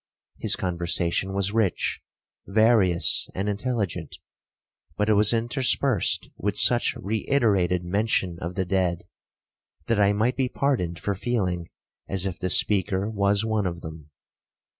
His conversation was rich, various, and intelligent, but it was interspersed with such reiterated mention of the dead, that I might be pardoned for feeling as if the speaker was one of them.